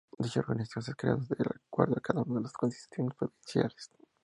Dicha organización es creada de acuerdo a cada una de las constituciones provinciales.